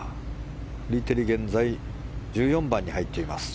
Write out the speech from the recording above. フリテリは現在１４番に入っています。